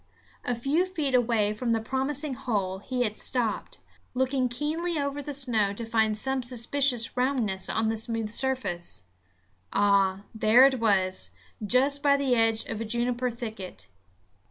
A few feet away from the promising hole he had stopped, looking keenly over the snow to find some suspicious roundness on the smooth surface. Ah! there it was, just by the edge of a juniper thicket.